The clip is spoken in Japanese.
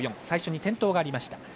最初に転倒がありました。